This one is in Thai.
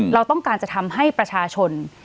เราต้องการจะทำให้ประชาชน